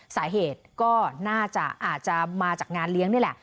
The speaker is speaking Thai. สาเหตุก็น่าจะอาจจะมาจากงานเลี้ยงนี่แหละ